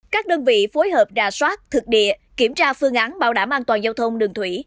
các đơn vị phối hợp đà soát thực địa kiểm tra phương án bảo đảm an toàn giao thông đường thủy